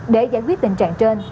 để giải quyết tình trạng trên